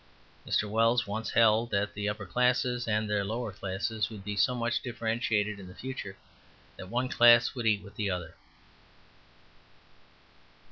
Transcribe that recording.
Mr. Wells once held that the upper classes and the lower classes would be so much differentiated in the future that one class would eat the other.